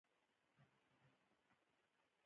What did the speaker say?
دوی دعا کوله چې یو شتمن سړی مړ شي.